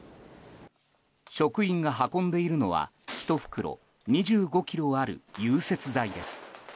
職員が運んでいるのは１袋２５ｋｇある融雪剤です。